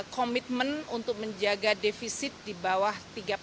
komitmen untuk menjaga defisit di bawah tiga puluh